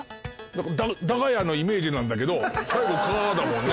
「ダガヤ」のイメージなんだけど最後「カ」だもんね。